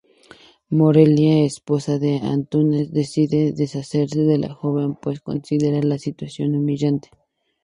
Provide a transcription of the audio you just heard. Morelia, esposa de Antúnez, decide deshacerse de la joven, pues considera la situación humillante.